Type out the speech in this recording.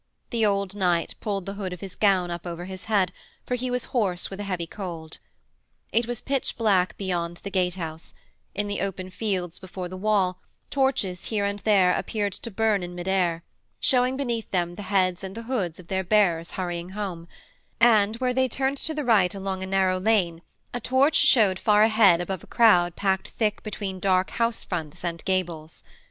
The old knight pulled the hood of his gown up over his head, for he was hoarse with a heavy cold. It was pitch black beyond the gate house; in the open fields before the wall torches here and there appeared to burn in mid air, showing beneath them the heads and the hoods of their bearers hurrying home, and, where they turned to the right along a narrow lane, a torch showed far ahead above a crowd packed thick between dark house fronts and gables.